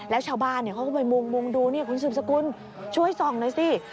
แล้วชาวบ้านเขาก็ไปมุงดูนี่คุณสืบสกุลช่วยส่องหน่อยสิ